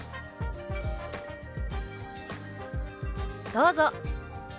どうぞ！